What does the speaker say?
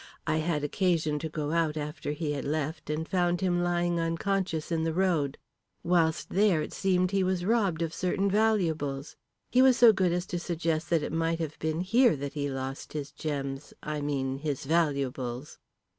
I had occasion to go out after he had left and found him lying unconscious in the road. Whilst there it seemed he was robbed of certain valuables. He was so good as to suggest that it might have been here that he lost his gems I mean his valuables."